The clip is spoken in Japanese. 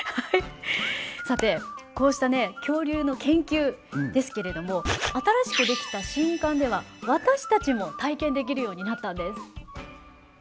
さてこうしたね恐竜の研究ですけれども新しく出来た新館では私たちも体験できるようになったんです。